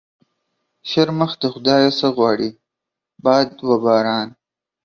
شرمښ د خدا يه څه غواړي ؟ باد و باران.